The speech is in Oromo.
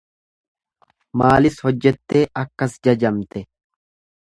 Maalis hojjettee akkas jajamte?